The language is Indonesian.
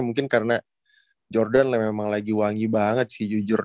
mungkin karena jordan memang lagi wangi banget sih jujur